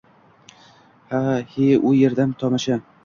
He, u yerdayam tomosha!